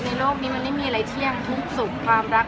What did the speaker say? โลกนี้มันไม่มีอะไรเที่ยงทุกสุขความรัก